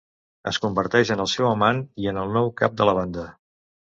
Es converteix en el seu amant i en el nou cap de la banda.